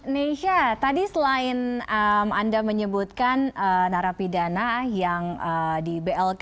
neysha tadi selain anda menyebutkan narapidana yang di blk